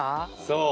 そう。